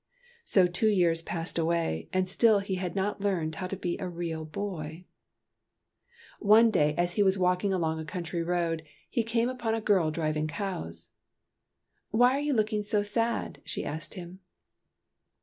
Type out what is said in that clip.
So two years passed away, and still he had not learned how to be a real boy. 124 TEARS OF PRINCESS PRUNELLA One day, as he walked along a country road, he came upon a girl driving cows. " Why are you looking so sad ?" she asked him.